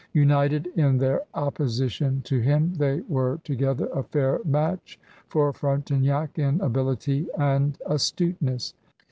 United in their opposition to him, they were together a fair match for Frontenac in ability and astuteness.